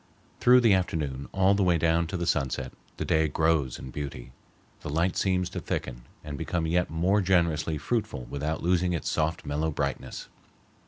Through the afternoon, all the way down to the sunset, the day grows in beauty. The light seems to thicken and become yet more generously fruitful without losing its soft mellow brightness.